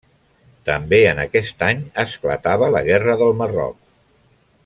També en aquest any esclatava la guerra del Marroc.